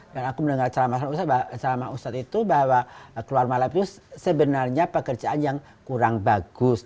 dan aku mendengar calama ustadz itu bahwa keluar malam itu sebenarnya pekerjaan yang kurang bagus